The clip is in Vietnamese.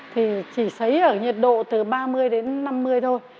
thì chỉ xấy ở nhiệt độ từ ba mươi đến năm mươi thôi